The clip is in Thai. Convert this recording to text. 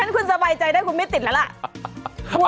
คุณสบายใจได้คุณไม่ติดแล้วล่ะ